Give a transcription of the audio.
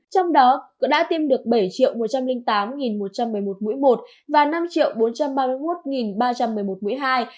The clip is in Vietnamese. trong đó đã tiêm được bảy một trăm linh tám một trăm một mươi một mũi một và năm bốn trăm ba mươi một ba trăm một mươi một mũi hai